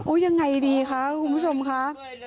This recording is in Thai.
โอ๊ยยังไงดีคะคุณผู้สมคุณค่ะ